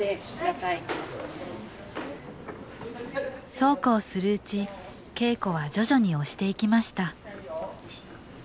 そうこうするうち稽古は徐々に押していきました